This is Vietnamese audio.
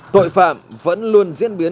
tội phạm vẫn luôn diễn biến